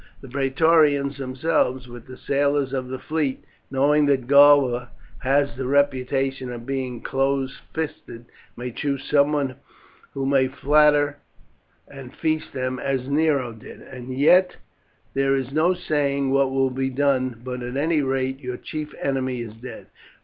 The Praetorians themselves, with the sailors of the fleet, knowing that Galba has the reputation of being close fisted, may choose someone who may flatter and feast them as Nero did. As yet there is no saying what will be done, but at any rate your chief enemy is dead.